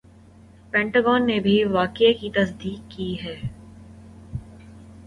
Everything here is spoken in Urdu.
پینٹا گون نے بھی واقعہ کی تصدیق کی ہے